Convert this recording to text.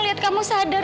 lihat kamu sadar